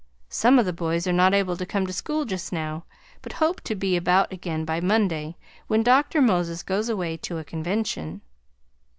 Some of the boys are not able to come to school just now, but hope to be about again by Monday, when Dr. Moses goes away to a convention.